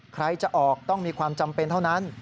ใครจะออกต้องมีความจำเป็นเท่านั้น